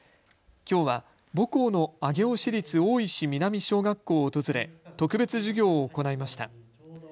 きょうは母校の上尾市立大石南小学校を訪れ特別授業を行いました。